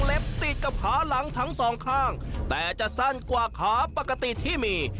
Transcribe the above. ติดกับขาหลังทั้งสองข้างแต่จะสั้นกว่าขาปกติที่มี